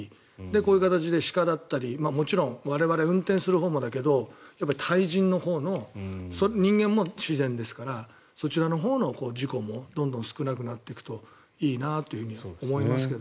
こういう形で、鹿だったり我々運転するほうもだけど対人のほうの人間も自然ですからそちらのほうの事故もどんどん少なくなっていくといいなと思いますけど。